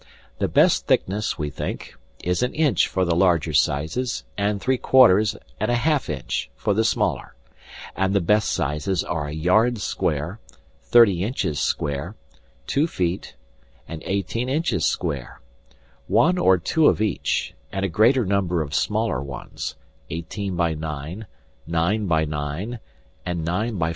The best thickness, we think, is an inch for the larger sizes and three quarters and a half inch for the smaller; and the best sizes are a yard square, thirty inches square, two feet, and eighteen inches square one or two of each, and a greater number of smaller ones, 18 x 9, 9 x 9, and 9 x 4 1/2.